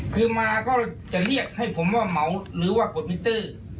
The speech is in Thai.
คือมาก็จะเรียกให้ผมว่าเหมาหรือว่ากดมิเตอร์